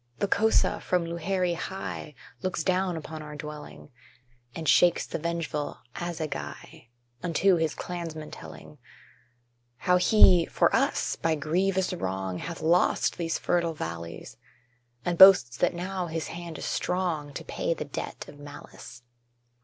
The Kosa from Luhéri high Looks down upon our dwelling, And shakes the vengeful assegai, Unto his clansmen telling How he, for us, by grievous wrong, Hath lost these fertile valleys, And boasts that now his hand is strong To pay the debt of malice.